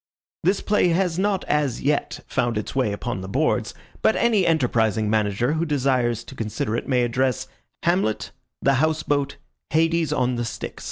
This play has not as yet found its way upon the boards, but any enterprising manager who desires to consider it may address Hamlet, The House Boat, Hades on the Styx.